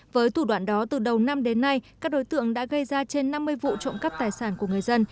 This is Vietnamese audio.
với thủ đoạn đó từ đầu năm đến nay các đối tượng đã gây ra trên năm mươi vụ trộm cắp tài sản của người dân